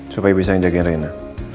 supaya bisa menjaga rena